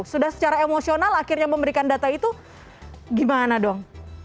sudah secara emosional akhirnya memberikan data itu gimana dong